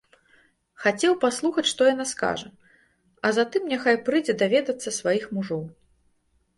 Хацеў паслухаць, што яна скажа, а затым няхай прыйдзе даведацца сваіх мужоў.